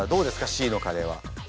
Ｃのカレーは。